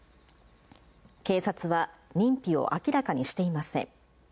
警察は、認否を明らかにしていません。